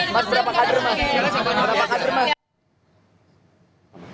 mas berapa kader mas